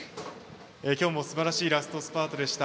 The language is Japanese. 今日もすばらしいラストスパートでした。